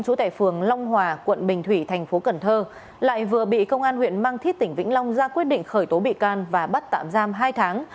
chú tại phường long hòa quận bình thủy tp cần thơ lại vừa bị công an huyện mang thiết tỉnh vĩnh long ra quyết định khởi tố bị can và bắt tạm giam hai tháng